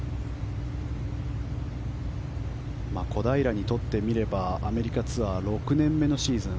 小平にとってみればアメリカツアー６年目のシーズン。